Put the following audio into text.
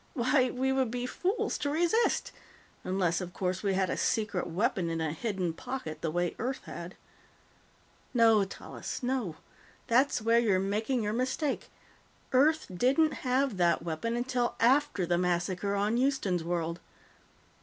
Why, we would be fools to resist. Unless, of course, we had a secret weapon in a hidden pocket, the way Earth had." "No, Tallis; no. That's where you're making your mistake. Earth didn't have that weapon until after the massacre on Houston's World.